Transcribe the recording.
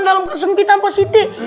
dalam kesempitan pak siti